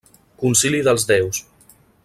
Concili dels déus.